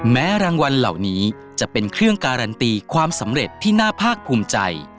แม้รางวัลเหล่านี้จะเป็นเครื่องการันตีความสำเร็จที่น่าภาคภูมิใจ